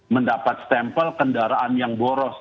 mendapat stempel kendaraan yang boros